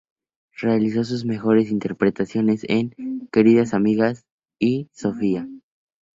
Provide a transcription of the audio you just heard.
Realizó sus mejores interpretaciones en "Queridas amigas" y "Sofía".